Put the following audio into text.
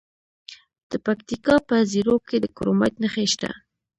د پکتیکا په زیروک کې د کرومایټ نښې شته.